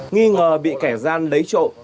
nghi ngờ bị kẻ gian lấy trộn